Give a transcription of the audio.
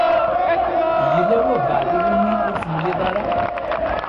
Yela walbaɛḍ i wumi ur temliḍ ara?